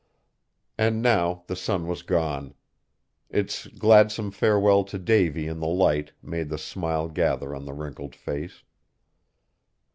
And now the sun was gone! Its gladsome farewell to Davy in the Light made the smile gather on the wrinkled face.